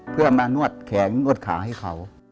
เพื่อมานวดแขนนวดขาให้เขา